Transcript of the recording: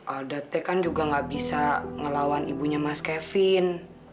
aldate kan juga gak bisa ngelawan ibunya mas kevin